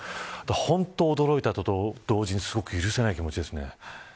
本当に驚いたと同時にすごく許せない気持ちですね。